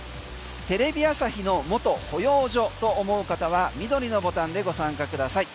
テレビ朝日の元保養所と思う方は緑のボタンでご参加ください。